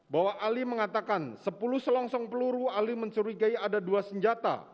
bahwa ahli mengatakan sepuluh selongsong peluru ahli mencurigai ada dua senjata